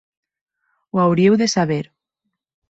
Ho hauríeu de saber.